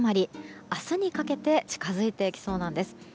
明日にかけて近づいてきそうなんです。